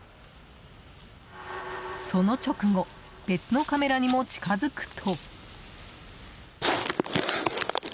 その直後別のカメラにも近づくと。